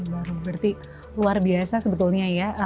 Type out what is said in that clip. berarti luar biasa sebetulnya ya